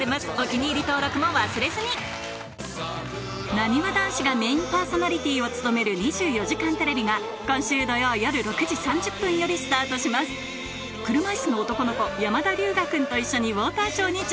なにわ男子がメインパーソナリティーを務める『２４時間テレビ』が今週土曜夜６時３０分よりスタートします車いすの男の子山田龍芽君と一緒にウオーターショーに挑戦